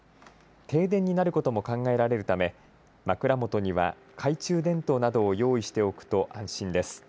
停電になることも考えられるため枕元には懐中電灯などを用意しておくと安心です。